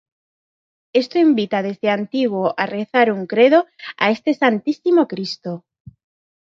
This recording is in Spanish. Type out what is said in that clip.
Esto invita desde antiguo a rezar un Credo a este Santísimo Cristo.